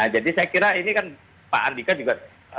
jadi saya kira ini kan pak andika juga